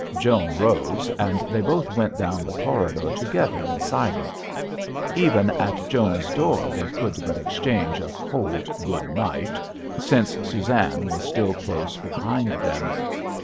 Joan rose, and they both went down the corridor together in silence. Even at Joan's door they could but exchange a cold " good night," since Suzanne was still close behind them.